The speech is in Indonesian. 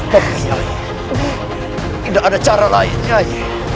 tidak ada cara lain nyai